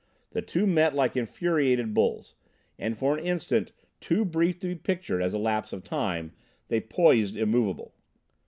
The two met like infuriated bulls, and for an instant too brief to be pictured as a lapse of time they poised immovable.